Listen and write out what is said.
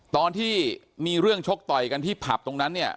ตอนที่มีเรื่องชกต่อยกันที่ผับตรงนั้นเนี่ย